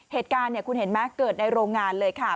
เหตุการณ์เนี่ยคุณเห็นไหมเกิดในโรงงานเลยค่ะ